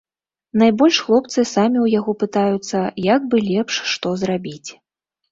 Найбольш хлопцы самі ў яго пытаюцца, як бы лепш што зрабіць.